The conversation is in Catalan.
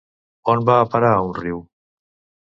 On va a parar a un riu.